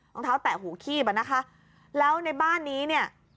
รองเท้าแตะหูคีบอ่ะนะคะแล้วในบ้านนี้เนี่ย